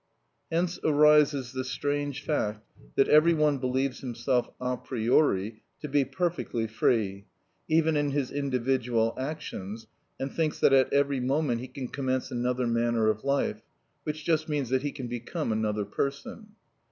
Hence arises the strange fact that every one believes himself a priori to be perfectly free, even in his individual actions, and thinks that at every moment he can commence another manner of life, which just means that he can become another person.